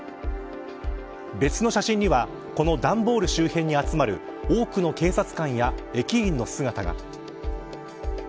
別の写真にはこの段ボール周辺に集まる多くの警察官や駅員の姿が。